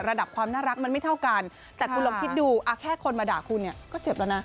ระดับความน่ารักมันไม่เท่ากันแต่คุณลองคิดดูแค่คนมาด่าคุณเนี่ยก็เจ็บแล้วนะ